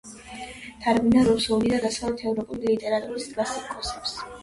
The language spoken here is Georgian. თარგმნიდა რუსული და დასავლეთ ევროპული ლიტერატურის კლასიკოსებს.